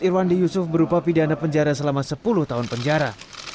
irwandi yusuf berupa pidana penjara selama sepuluh tahun penjara